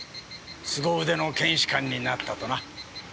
すご腕の検視官になったとな。